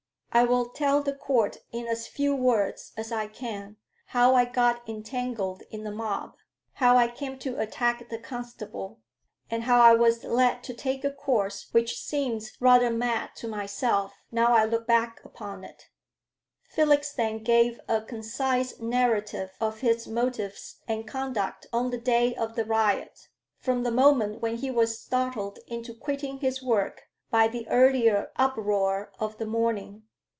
I will tell the Court in as few words as I can, how I got entangled in the mob, how I came to attack the constable, and how I was led to take a course which seems rather mad to myself, now I look back upon it." Felix then gave a concise narrative of his motives and conduct on the day of the riot, from the moment when he was startled into quitting his work by the earlier uproar of the morning.